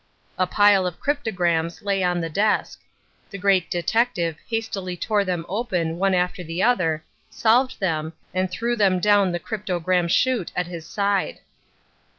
A pile of cryptograms lay on the desk. The Great Detective hastily tore them open one after the other, solved them, and threw them down the cryptogram shute at his side.